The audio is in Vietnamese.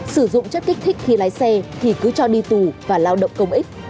sử dụng chất kích thích khi lái xe thì cứ cho đi tù và lao động công ích